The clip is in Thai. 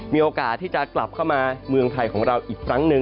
มีโอกาสที่จะกลับเข้ามาเมืองไทยของเราอีกครั้งหนึ่ง